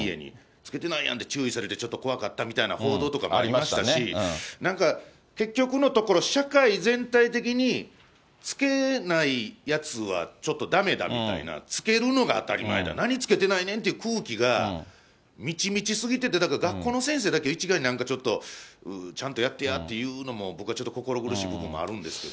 つけてないやんって注意されて、ちょっと怖かったみたいな報道もありましたし、なんか、結局のところ、社会全体的につけないやつは、ちょっとだめだみたいな、つけるのが当たり前だ、何つけてないねんっていう空気が満ち満ちすぎてて、だから学校の先生だけを一概に、なんかちょっとちゃんとやってやっていうのも、僕はちょっと心苦しい部分もあるんですけど。